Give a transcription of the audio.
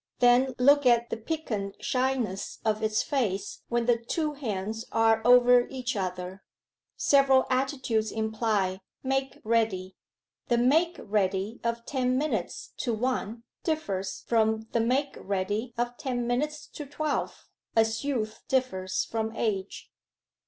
Then look at the piquant shyness of its face when the two hands are over each other. Several attitudes imply "Make ready." The "make ready" of ten minutes to one differs from the "make ready" of ten minutes to twelve, as youth differs from age.